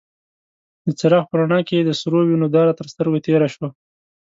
د څراغ په رڼا کې يې د سرو وينو داره تر سترګو تېره شوه.